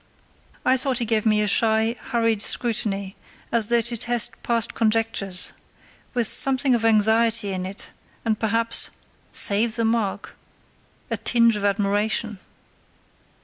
I thought he gave me a shy, hurried scrutiny as though to test past conjectures, with something of anxiety in it, and perhaps (save the mark!) a tinge of admiration.